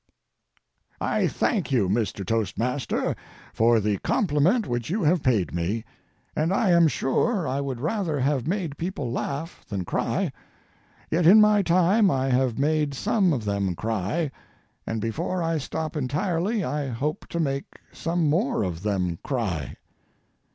I thank you, Mr. Toastmaster, for the compliment which you have paid me, and I am sure I would rather have made people laugh than cry, yet in my time I have made some of them cry; and before I stop entirely I hope to make some more of them cry.